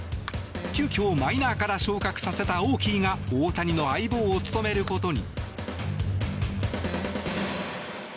急きょ、マイナーから昇格させたオーキーが大谷の相棒を務めることに。